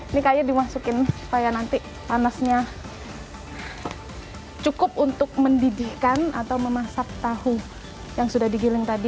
ini kayu dimasukin supaya nanti panasnya cukup untuk mendidihkan atau memasak tahu yang sudah digiling tadi